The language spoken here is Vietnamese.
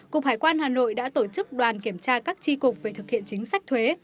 cục hải quan hà nội đã tổ chức đoàn kiểm tra các tri cục về thực hiện chính sách thuế